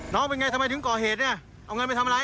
เป็นไงทำไมถึงก่อเหตุเนี่ยเอาเงินไปทำอะไร